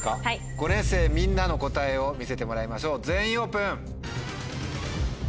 ５年生みんなの答えを見せてもらいましょう全員オープン。